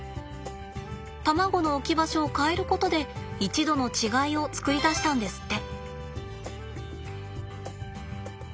卵の置き場所を変えることで１℃の違いを作り出したんですって。